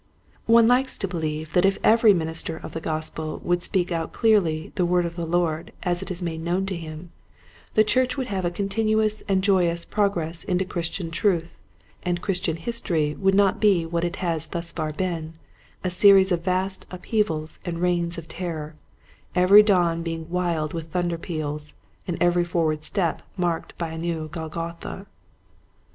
One likes to believe that if every minister of the Gospel 56 Quiet Hints to Growing Preachers. would speak out clearly the word of the Lord as it is made known to him, the church would have a continuous and joyous progress into Christian truth, and Christian history would not be what it has thus far been, a series of vast upheavals and reigns of terror, every dawn being wild with thun der peals and every forward step marked by a new Golgotha.